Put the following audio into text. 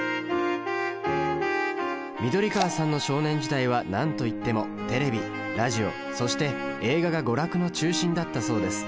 緑川さんの少年時代は何と言ってもテレビラジオそして映画が娯楽の中心だったそうです。